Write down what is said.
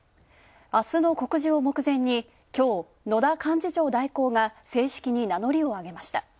あすの告示を目前にきょう野田幹事長代行が正式に名乗りをあげました。